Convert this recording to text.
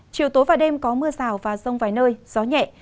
chiều tối và đêm có mưa rào và rông vài nơi gió nhẹ